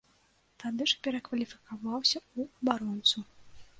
Тады ж перакваліфікаваўся ў абаронцу.